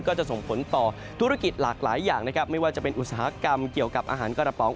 ก็จะส่งผลต่อธุรกิจหลากหลายอย่างนะครับไม่ว่าจะเป็นอุตสาหกรรมเกี่ยวกับอาหารกระป๋อง